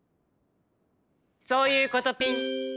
そういうことピン！